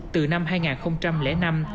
từ năm hai nghìn năm